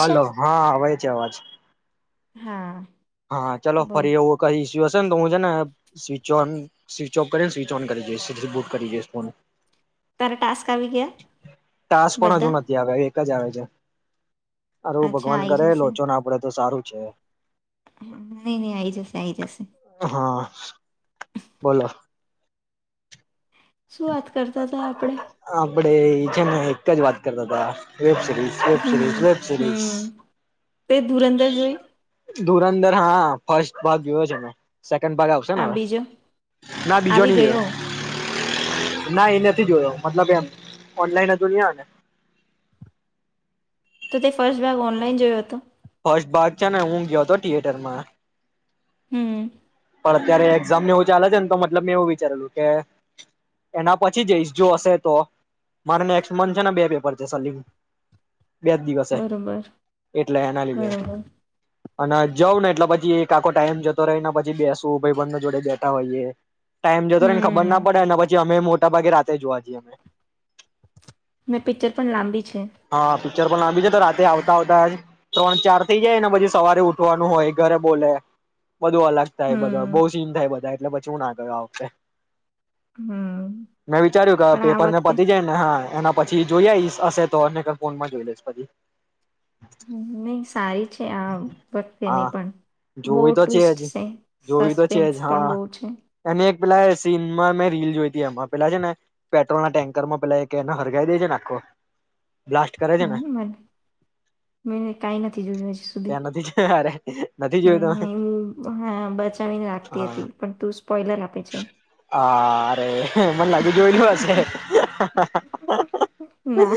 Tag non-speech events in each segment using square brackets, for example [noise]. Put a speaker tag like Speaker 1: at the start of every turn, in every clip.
Speaker 1: Hello હા આવાય છે અવાજ
Speaker 2: હા.
Speaker 1: હા ચાલલો
Speaker 2: બોલ
Speaker 1: ફરી એવું કઈ ઈસ્યુ હશે ને હું છે ને સ્વચ ઓન સ્વિચ ઓફ કરીને સ્વિચ ઓન કરીઈ બુટ કરી જઈ ફો
Speaker 2: તારા ટાસ્ક આવી ગયા બધા
Speaker 1: કજ આવે છે. સારું
Speaker 2: અચ્છા
Speaker 1: ભગવાન
Speaker 2: આવી
Speaker 1: કરે
Speaker 2: જશે
Speaker 1: લોચો ના પડે તો સારું છે.
Speaker 2: નહી નહી આ આવી જશે આઈ જશે
Speaker 1: હા બોલો
Speaker 2: શું વાત કર
Speaker 1: આપડે છે ને એક જ વાત કરતા હતા વેબ સરીઝ, વેબ સરીઝ,
Speaker 2: હમ
Speaker 1: વેબ સરીઝ
Speaker 2: હમ તે ધુરંદર જોઈ
Speaker 1: ધુરંદર હા ફસ્ટ ભાગ જોયો છે મે સેકન્ડ ભગ આવશે ને
Speaker 2: આ
Speaker 1: હવે,
Speaker 2: બીજો
Speaker 1: ના બીજો નઈ ગયો? ના, એ નથી જોયો. મતલબ એમ ઓનલાઈનજ ન હોને.
Speaker 2: તો તે ફર્સ્ટ બેગ ઓનલાઈન જોયો હતો.
Speaker 1: ફસ્ટ ભાગ છે ને, હું ગયો હતો થિયેટરમાં.
Speaker 2: હમ.
Speaker 1: પણ અત્યારે એક્ઝામ ને એવું ચાલે છે ને, તો મતલબ મેં એવું વિચારેલું કે એના પછી જ જો હશે. તો મારે નેકસ્ટ મંથ છે. બે પેપર છે. બેજ દિવસે,
Speaker 2: બરોબર
Speaker 1: એટલે એના લીધે.
Speaker 2: બરોબર
Speaker 1: અને જઉ ને, એટલે પછી એક આખો ટાઈમ જતો રહેને, પછી. બેસું, ભાઈ બંધ ના જોડે બેઠા હોઈએ. ટાઈમ જોતો રહે ને, ખબર
Speaker 2: હમ
Speaker 1: ના પડે. અને પછી અમે. મોટા ભાગે, રાતે જોવા જઈએ.
Speaker 2: મેં પિક્ચર પણ લાંબી. છે
Speaker 1: હા આઆ પિક્ચર પણ લાંબી જ. તો રાતે આવતા- આવતા ત્રણ- ચાર થઇ જાય ને, પછી સવારે ઉઠવાનું હોય. ઘરે બોલે. બધું અલગ થાય, બધુ
Speaker 2: હમ
Speaker 1: બહુ સીન થાય, બધાય એટલે પછી હું ના ગયો આ વખતે.
Speaker 2: હમ
Speaker 1: [unintelligible] મેં વિચાર્યું કે
Speaker 2: પણ આ
Speaker 1: પેપર ને
Speaker 2: વખતે
Speaker 1: પતી જાય ને, હા. એના પછી જોઈએ, ઈ હશે તો. તો અને કા ફોનમાં જોઈ લઈશ પછી.
Speaker 2: નહી સારી છે આ [unintelligible] તેની
Speaker 1: હા
Speaker 2: પણ બહુ
Speaker 1: જોવી તો
Speaker 2: ટ્વિસ્ટ
Speaker 1: જ
Speaker 2: છે.
Speaker 1: જોવી તો છે
Speaker 2: સસ્પેન્સ
Speaker 1: જ
Speaker 2: પણ
Speaker 1: હા
Speaker 2: બહુ છે.
Speaker 1: અને એક પેલા સીન મા મેં રીલ જોઈતી. એમાં પેલા છે ને, પેટ્રોલ ના ટેન્કરમાં પેલા એને હરગાઈ દે છેને આખો. બ્લાસ્ટ કરે છે
Speaker 2: હમ,
Speaker 1: ને
Speaker 2: મને મે કંઈ નથી જોયું હજી સુધી.
Speaker 1: ત્યાં નથી જ અરે નથી
Speaker 2: હું
Speaker 1: જોયું તમે
Speaker 2: હું બચાવીને રાખતી
Speaker 1: હા
Speaker 2: હતી, પણ તું સ્પોઈલર આપે છે.
Speaker 1: હલો [inaudible] હં મને લાગી જોયલી હશે.
Speaker 2: ના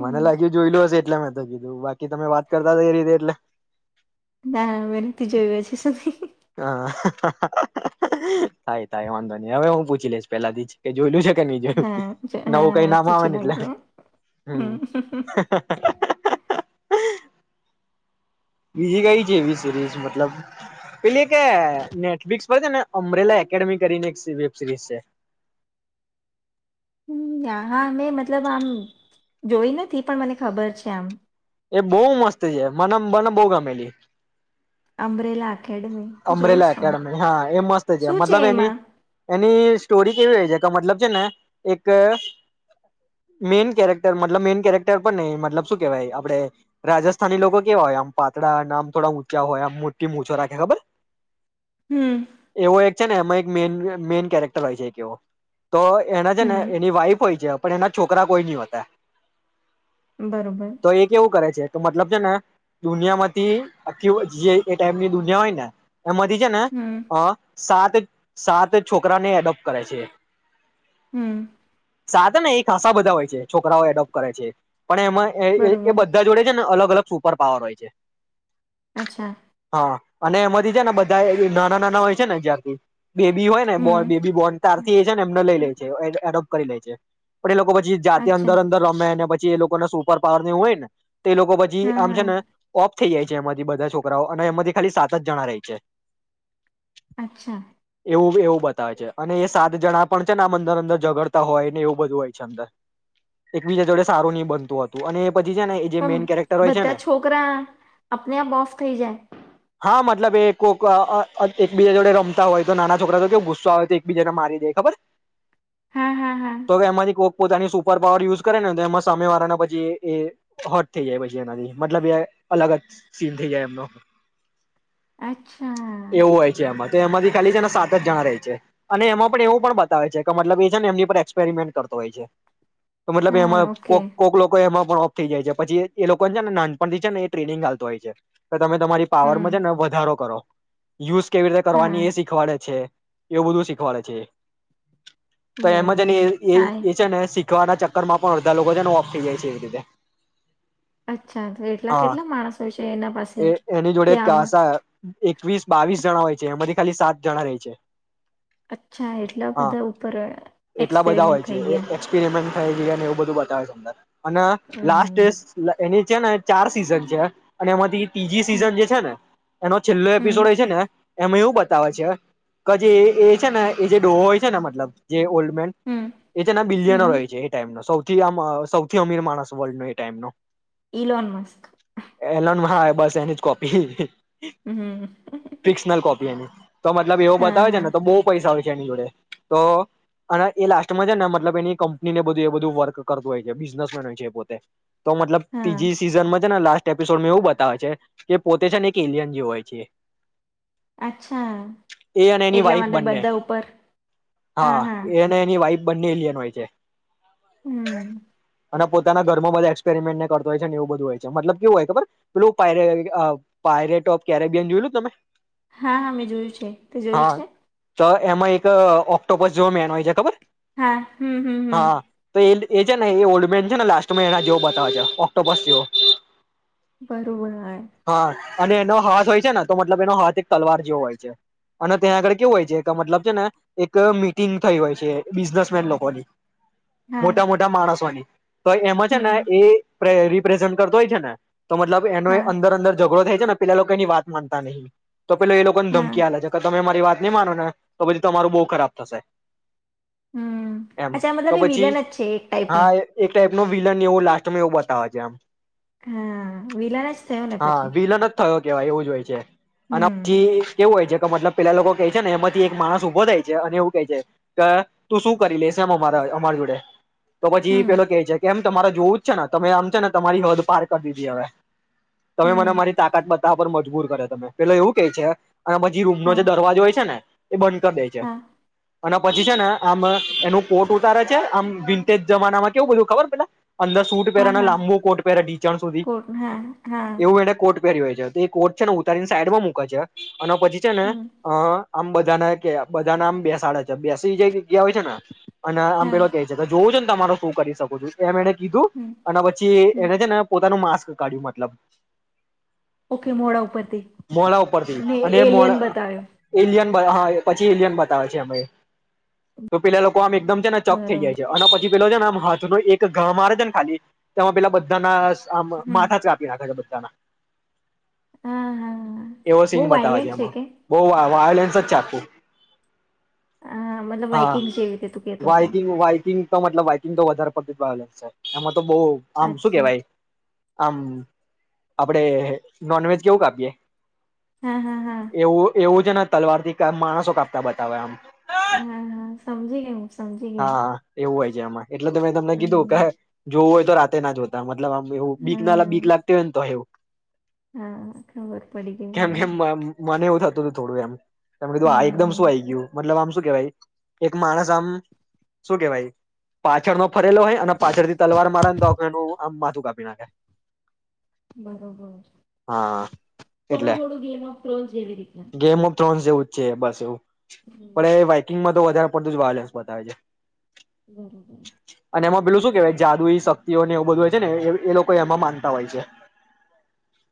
Speaker 1: મને લાગ્યું, જોયલુ હશે. એટલે મે તો કીધું. બાકી, તમે વાત કરતા એ રીતે એટલે.
Speaker 2: ના, મે નથી જોયું હજુ સુધી.
Speaker 1: હ! થાય થાય વાંધો નહી. હવે હું પૂછી લઈશ પેલાથી જ કે જોયલું છે. એ નઈ જોયુ.
Speaker 2: હા જ-
Speaker 1: નવું કઈ
Speaker 2: હા
Speaker 1: નામ
Speaker 2: પૂછી
Speaker 1: આવેને, એટલે
Speaker 2: નાખજે હો
Speaker 1: હમ. બીજી કંઈ છે એવી સિરીઝ? મતલબ, પેલી એક નેટફ્લિક્સ પર છે ને, અમ્બ્રેલા એકેડેમી કરીને વેબ સિરીઝ છે.
Speaker 2: હા, મેં મતલબ આમ જોઈ નથી, પણ મને ખબર છે. આમ
Speaker 1: એ બહુ મસ્ત છે. મને, મને બહુ ગમેલી.
Speaker 2: અમ્બ્રેલા?
Speaker 1: અમ્બ્રેલા એકેડમી, હા, એ મસ્ત છે.
Speaker 2: શું
Speaker 1: મતલબ, એની.
Speaker 2: એમાં
Speaker 1: ની સ્ટોરી કેવી હોય છે? મતલબ, છે ને એક મેઈન કેરેક્ટર. મતલબ, મેઈન કેરેક્ટર પણ નહીં. મતલબ શું કહેવાય? આપડે રાજસ્થાની લોકો કેવા હોય, આમ પાતળા, થોડા ઊંચા હોય, આમ મોટીમુછો રાખે, ખબર?
Speaker 2: હમ.
Speaker 1: એવો એક છે. ને એમાં એક મે મેઈન કેરેક્ટર હોય છે. એક એવો તો એના છે, ને
Speaker 2: હમ
Speaker 1: એની વાઈફ હોય છે. પણ એના છોકરા કોઈ નહી હોતા.
Speaker 2: બરોબર
Speaker 1: [unintelligible] તો એ કેવું કરે છે. તો મતલબ છે. ને દુનિયામાંથી, આખી જે એ ટાઈપની દુનિયા હોય ને એ માથી છે ને,
Speaker 2: હમ
Speaker 1: અ સાત સાત છોકરાને એડોપ્ટ કરે છે.
Speaker 2: હમ્મ,
Speaker 1: સાત નય એ ખાસા બધા હોય છે. છોકરાઓ એડોપ્ટ કરે છે. પણ એમાં એ
Speaker 2: બરોબર
Speaker 1: બધા જોડે છે, ને અલગ અલગ. સુપર પાવર હોય છે.
Speaker 2: અચ્છા
Speaker 1: હા, અને [unintelligible] ને બધા એ નાના નાના હોય છે ને જ્યારથી બેબી હોયને, બો
Speaker 2: હમ
Speaker 1: બેબી બોર્ન તારથી એ છે ને એમને લઈ લે છે, એ એડો કરી લે છે. આપેડી લોકો પછી જાતે
Speaker 2: અચ્છા
Speaker 1: અંદર અંદર રમે અને પછી જે એ લોકો ને સુપર પાવર ને એવું હોય ને તે લોકો પછી
Speaker 2: હા
Speaker 1: આમ છે,
Speaker 2: હા
Speaker 1: ને ઓ થઈ જાય છે એમાંથી બધા છોકરાઓ, અને એમાંથી ખાલી સાત જ જણા રે. છે.
Speaker 2: અચ્છા.
Speaker 1: એવું એવું બતાવે છે, અને એ સાત જણા પણ છે ને આ અંદર અંદર ઝગડતા હોય, ને એવું બધું હોય છે અંદર, એકબીજા જોડે સારું ની બનતું હતું અને પછી છે ને એ જે
Speaker 2: પણ
Speaker 1: મેઈન કેરેક્ટર હોય છે ને
Speaker 2: બધા છોકરા આપને આપ ઓફ થઈ જાય?
Speaker 1: હા મતલબ એક કોક અ અ એકબીજા જોડે રમતા હોય તો નાના છોકરા તો કેવું ગુસ્સા આવે તો એકબીજાને મારી દે ખબર?
Speaker 2: હા હા હા
Speaker 1: તો વે એમારી કોક પોતાની સુપર પાવર યુઝ કરે ને, તો એમાં સામે વાળાના પછી એ હોટ થઈ જાય પછી, એનાથી મતલબ એ અલગ જ સીન થઈ જાય એમનો.
Speaker 2: અચ્છા
Speaker 1: એવું હોય છે એમાંર. તો એમાંથી ખાલી છે ના સાત જણા રહે છે. અને એમાં પણ એવું પણ બતાવે છે, કે મતલબ એ છે ને એમની પર એક્સપેરિમેન્ટ કરતો હોય છે. તો મતલબ
Speaker 2: હા
Speaker 1: એમાં
Speaker 2: ઓકે
Speaker 1: કોક કોક લોકો એમાં પણ ઓફ થઈ જાય છે, પછી એ લોકો છે ને નાનપણથી છે ને એ ટ્રેનિંગ આલતો હોય છે. ત તમે તમારી પાવરમાં
Speaker 2: હમ
Speaker 1: છે ને વધારો કરો. યુઝ કેવી રીતે
Speaker 2: હા
Speaker 1: કરવાની એ શીખવાડે છે. એવું બધું શીખવાડે છે. તો એમ જ
Speaker 2: બરોબર
Speaker 1: એને એ
Speaker 2: થાય
Speaker 1: એ છે એ સિ [unintelligible] ચક્કર માં પણ અડધા લોકો તેને ઓફ થઇ જાય છે એવી રીતે.
Speaker 2: અચ્છા, તો એટલા
Speaker 1: હા
Speaker 2: કેટલા માણસો છે એના પાસે
Speaker 1: એ એની
Speaker 2: કે
Speaker 1: જોડે
Speaker 2: આમ?
Speaker 1: કાસા એકવીસ, બાવીસ જણા હોય છે, એમાંથી ખાલી સાત જણા રે છે.
Speaker 2: અચ્છા એટલા
Speaker 1: હા
Speaker 2: બધા ઉપર એક્સપેરિમેન્ટ થઈ ગયા?
Speaker 1: બિરિયાની એવું બધું બતાવે છે અંદર. અને લાસ્ટ
Speaker 2: હમ
Speaker 1: એસ એની છે ને ચાર સીઝન છે, અને એમાંથી તીજી
Speaker 2: હમ હમ
Speaker 1: સીઝન જે છે ને, એનો પલો એપિસોડ
Speaker 2: હમ
Speaker 1: હોઈ છે ને એમાં એવું બતાવે છે ક જે એ છે ને એ જે ડોહો હોય છે ને મતલબ જે ઓલ્ડ મેન
Speaker 2: હમ
Speaker 1: એ તેના બિલિયનોર
Speaker 2: હમ
Speaker 1: છે ટાઈમ નો સૌ થી આમ સૌથી અમીર માણસ વર્લ્ડ નો એ ટાઈમ નો.
Speaker 2: Elon Musk.
Speaker 1: એલન હા બસ એની જ કોપી.
Speaker 2: હમ
Speaker 1: ફિક્શનલ કોપી એની. તો મતલબ એવું
Speaker 2: હા
Speaker 1: બતાવે
Speaker 2: હા
Speaker 1: ને તો બહુ પૈસા [unintelligible] એની જોડે, તો અને એ લાસ્ટમાં છે ને મતલબ એની કંપનીને એ બધું એ બધું વર્ક કરતું હોય છે બિઝનેસમેન હોય છે એ પોતે. તો મતલબ
Speaker 2: હા
Speaker 1: તીજી સિઝનમાં છે ને લાસ્ટ એપિસોડમાં એવું બતાવે છે કે પોતે છે ને એક એલિયન [unintelligible] હોય છે
Speaker 2: અચ્છા.
Speaker 1: એ અને એની
Speaker 2: એટલા
Speaker 1: વાઈફ
Speaker 2: માટે
Speaker 1: બંને
Speaker 2: બધા ઉપર, હા, હા.
Speaker 1: એ અને એની વાઈફ બંને એલિયન હોય છે.
Speaker 2: હમ્મ.
Speaker 1: અને પોતાના ઘરમાં બધા એક્પેરિમેન્ટ ને કરતો હોય છે એવું બધું હોય છે. મતલબ કેવું હોય ખબર, પેલું પાએરે અહ પાયરેટો ક્યારે ગેન જોયેલું તમે?
Speaker 2: હા હા મેં જોયું છે. તે જોયું
Speaker 1: હા
Speaker 2: છે?
Speaker 1: તો એમાં એક અહ ઓક્ટોપસ જોવા મળ એનો હોય છે ખબર?
Speaker 2: હા હમ્મ, હમ્મ, હમ્મ.
Speaker 1: હા તો એ એ છે ને એ ઓલ્ડ મેન છે ને લાસ્ટ મે એના જેવો બતાવે છે ઓક્ટોપશ જેવો.
Speaker 2: બરોબર આએ.
Speaker 1: હા અને એનો જોય છે ને તો મતલબ એનો હાથ એક તલવાર જેવો હોય છે. અને ત્યાં આગળ કેવું હોય છે કે મતલબ છે ને એક મીટિંગ થઈ હોય છે બિઝનેસમેન લોકોની. મોટા મોટા માણસોની. તો એમાં છે
Speaker 2: હમ
Speaker 1: ને એ પ્રે રિપ્રેઝન્ટ કરતો હોય છે ને તો મતલબ એનો એ
Speaker 2: હા
Speaker 1: અંદર અંદર ઝઘડો થય છે ને પેલા લોકોની માનતા નહીં. તો પેલા એ લોકો ને
Speaker 2: હા
Speaker 1: ધમકી આલ છે. ક તમે મારી વાત નહીં માનો ને તો પછી તમારો બહુ ખરાબ થશે.
Speaker 2: હમ્મ,
Speaker 1: એમ
Speaker 2: અચ્છા મતલબ વિલન જ છે એક ટાઈપનો?
Speaker 1: નો વિલન એવું લાસ્ટમાં એવું બતાવે છે આમ.
Speaker 2: હા, વિલાન જ થયો ને પછી.
Speaker 1: કેવા એવું જ હોય. [unintelligible] અન
Speaker 2: હમ
Speaker 1: પછી કેવું હોય છે. મતલબ પેલા લોકો કે છે ને એમાંથી એક માણસ ઉભો થાય છે અને એવું કેહે છે કે તું શું કરી લેસ અમ અમારા જોડે. તો પછી એ
Speaker 2: હમ
Speaker 1: પેલો કે છે કે એમ તમારે જોવું જ છે ને તમે આમ છે ને તમારી હદ પાર કરી દીધી હવે. તમે
Speaker 2: હમ
Speaker 1: મને મારી તાકાત બતાવવા પર મ એટલે એવું કે છે. અને પછી રૂમનો
Speaker 2: હા
Speaker 1: જે દરવાજો હોય છે ને. એ બંધ કર દે છે.
Speaker 2: હા
Speaker 1: અને પછી છે ને આમ એનું કોટ ઉતારે છે આમ વિન્ટેજ જમાનામાં કેવું બધું ખબર પેલા અંદર સૂટ પહેરે
Speaker 2: હા
Speaker 1: ને
Speaker 2: હા
Speaker 1: લાંબો કોટ પહેરે ઢીંચણ સુધી
Speaker 2: કોટ હા હા
Speaker 1: એવું એને કોટ પહેર્યું એને. જયાર થી એ કોચ છેને તારી સાઈડમાં મુક છ અને પછી છે ને
Speaker 2: હમ
Speaker 1: અ આમ બધાને કે બધાને આમ બેસાડે છે બેસી જે જગ્યા હોય છે ને અને
Speaker 2: હા
Speaker 1: આંબેલો કે છે તાર જોવું છે ને. તમારો શું કરી શકો છો એમ એણે કીધું
Speaker 2: હમ
Speaker 1: અને પછી
Speaker 2: હમ
Speaker 1: એને છે ને પોતાનું માં [unintelligible] [unintelligible] મતલબ
Speaker 2: ઓકે મોડા ઉ
Speaker 1: મોડા ઉપર થી અને મો
Speaker 2: બતાવ્યો
Speaker 1: એલયન હા એ પછી ઇલિયન બતાવે છે અ તો પેલા લોકો એકદમ છે ને ચક થઈ જાય
Speaker 2: બરોબર
Speaker 1: છે અને પછી પેલો છે ને આમ હાથ ન એક ગ મારે છે ને ખાલી તેમાં પેલા બધાના આમ
Speaker 2: હમ
Speaker 1: માથા ચા આપી નાખ [unintelligible]
Speaker 2: હા હા
Speaker 1: એવો
Speaker 2: બહુ
Speaker 1: સીન બતાવે
Speaker 2: વાયલેન્ટ છે
Speaker 1: છેમાં,
Speaker 2: કે
Speaker 1: બહુ વાયોલનસ ચાકુ
Speaker 2: હ મતલબ બાઇકિંગ જેવીતે તુંકતો તો
Speaker 1: વાઈકિંગ વાઈકિંગ તો મતલબ બાઈકિંગ તો વધારે પડતી વા છે, એમાં તો બહુ આમ શું
Speaker 2: અચ્છા
Speaker 1: કેવાય આમ, આપડે નોનવેજ કેવું કાપી યે એવું એવું જ ન તલવાર થી કા માણસો કાપતા બતાવે આમ.
Speaker 2: હા હા સમજી ગઈ હું.
Speaker 1: હા, એવું હોય. જેમાંએ. એટલે તમે તમને કીધું કે જોવું હોય તો રાતે ના જોતા મ તલબ આમ એવું બીક ના બીક લાગત હોય ને તો એવું.
Speaker 2: હા, ખબર પડી ગઈ
Speaker 1: કેમ
Speaker 2: મને.
Speaker 1: કેમ મને એવું થતું તું થોડું એમ. તમે કીધું
Speaker 2: હમ
Speaker 1: આ એકદમ શું
Speaker 2: હમ.
Speaker 1: આ આવી ગયું મતલબ આમ શું કેવાઈ. એક માણસ આમ શું કેવાય ઈ, પાછળ નો ફરેલો હોય અને પાછળ થી તલવાર મારાને તો આ ખોનું આમ માથું કાપી નાખે.
Speaker 2: બરોબર
Speaker 1: હા
Speaker 2: થોડું
Speaker 1: એટલે
Speaker 2: થોડું ગેમ ઓફ ક્રોન્સ જેવી રીતના.
Speaker 1: ગેમ ઓફ થ્રોન્સ જેવું જ છે, બસ એવું. પણ એ વાઈકિંગમાં તો વધા પડતુંજ વાયન્સ બતાવે છે.
Speaker 2: બરોબર.
Speaker 1: અને એમાં પેલું શું કેવાય જાદુઈ શક્તિઓ ને એવું બધું હોય છે ને એ લોકો એમાં માનતા હોય છે.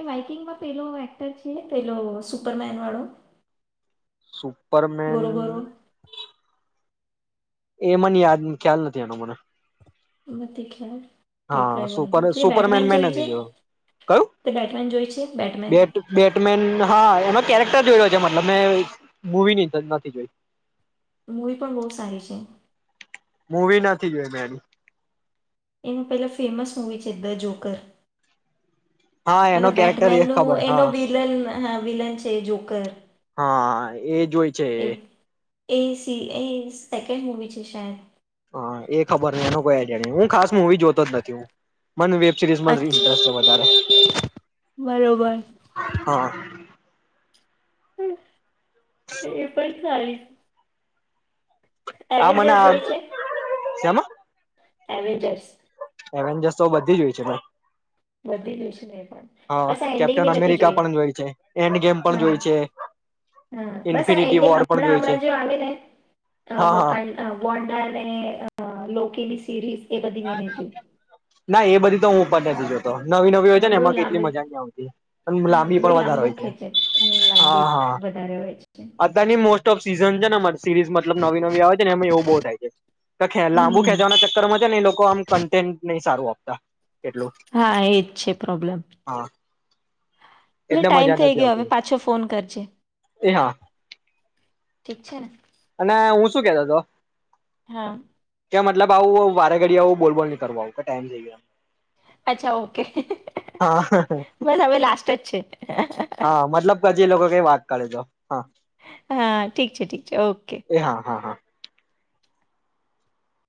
Speaker 2: એ વાઈકિંગમાં પેલો એક્ટર છે પેલો સુપરમેન વાળો
Speaker 1: સુ
Speaker 2: ગોરો ગોરો
Speaker 1: પરમેન એ મને યાદ ખ્યાલ નથી એનો મને.
Speaker 2: નથી ખ્યાલ કે
Speaker 1: હા,
Speaker 2: કઈ વાંધો તે
Speaker 1: સુપર-સુપરમેન
Speaker 2: બેટમેન
Speaker 1: મે
Speaker 2: જોઈ છે
Speaker 1: નથી જોયું. કયું?
Speaker 2: તે બેટમેન જોઈ છે બેટમેન
Speaker 1: બેટ-બેટમેન હા આયા મત કેરેક્ટર જોય રહ્યો છે, મતલબ મેં મુવી ની નથી જોઈ.
Speaker 2: મૂવી પણ બહુ સારી છે.
Speaker 1: મૂવી નથી જોઈ મૈ એની.
Speaker 2: એમ પહેલા ફેમસ મૂવી દ જોકર.
Speaker 1: હા એનો
Speaker 2: મતલબ
Speaker 1: કેરેક્ટર એ
Speaker 2: બેટમેનનું
Speaker 1: ખબર
Speaker 2: એનો
Speaker 1: હા
Speaker 2: વિલન હા વિલન છે એ જોકર.
Speaker 1: આ એ જોઈ છે એ.
Speaker 2: એ સી એ સેકન્ડ મૂવી છે શાયદ.
Speaker 1: હા એ ખબર નહીં, એનો કોઈ આઇડિયા નહીં. હું ખાસ મુવી જોતો જ નથી હું. મને વેબ સિરીઝમાં જ
Speaker 2: અચ્છા
Speaker 1: ઇન્ટરેસ્ટ છે વધારે.
Speaker 2: બરોબર.
Speaker 1: હા.
Speaker 2: એ પણ સારી એવેન્જર જોઈ છે?
Speaker 1: સામાં
Speaker 2: એવેજસ
Speaker 1: એવેન્જર્સ તો બધી જ હોય છે ભાઈ
Speaker 2: વધી ગયું છે એ પણ બસ આ
Speaker 1: કેપ્ટન
Speaker 2: એન્ડિંગી નથી
Speaker 1: અમેરિકા
Speaker 2: જોય
Speaker 1: પણ છે એન્ડ ગેમ
Speaker 2: હ
Speaker 1: પણ જોય છે
Speaker 2: હ બસ
Speaker 1: ઇન્ફિનિટી
Speaker 2: આન્ડિંગ
Speaker 1: વોર પણ
Speaker 2: હમણાં
Speaker 1: જોય છે
Speaker 2: હમણાં આવે ને
Speaker 1: હા હા
Speaker 2: વોટળાઈલ લો સીરીયસ
Speaker 1: ના એ બધી તો હું બો બધી જોઉં નવી નવી હોય છે
Speaker 2: હા
Speaker 1: ને
Speaker 2: બહુ
Speaker 1: એમાં કેટલી
Speaker 2: લાંબી
Speaker 1: મજા નહી આવતી પણ
Speaker 2: હમ,
Speaker 1: લાંબી
Speaker 2: બહુ
Speaker 1: પણ વધારે હોય
Speaker 2: લાંબુ
Speaker 1: છે.
Speaker 2: ખેંચે હમ લાંબી
Speaker 1: હા, હા,
Speaker 2: વધારે હોય છે.
Speaker 1: અત્યારની મોસ્ટ સીઝન છે ને સિરીઝ મતલબ નવી નવી આવે છે ને બોર થાય છે. તો ખે લાંબુ
Speaker 2: હમ
Speaker 1: ખેંચવાના ચક્કરમાં છે એ લોકો કન્ટેન્ટ નહી સારું આપતા. એટલું
Speaker 2: હા, એજ છે પ્રોબ્લેમ.
Speaker 1: હા
Speaker 2: લે
Speaker 1: એટલે
Speaker 2: ટાઈમ
Speaker 1: મજા
Speaker 2: થઈ
Speaker 1: નથી
Speaker 2: ગયો હવે
Speaker 1: આવતી
Speaker 2: પાછો ફોન કરજે
Speaker 1: એ હા
Speaker 2: ઠીક છે. ને
Speaker 1: અને હું શું કેતો હતો.
Speaker 2: હા,
Speaker 1: કે મતલબ આવું વારે ઘડી આવું બોલ બોલ ની કરવા આવું ટાઈમ થઈ ગયો
Speaker 2: અચ્છા ઓકે
Speaker 1: હા
Speaker 2: બસ હવે લાસ્ટ જ છે.
Speaker 1: હા મતલબ પછી એ લોકો કઈ વાત કરે જો હા
Speaker 2: હા ઠીક છે ઠીક છે, ઓકે.
Speaker 1: એ હા, હા, હા,